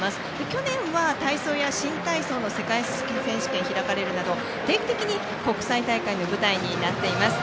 去年は体操や新体操の世界選手権が開かれるなど定期的に国際大会の舞台になっています。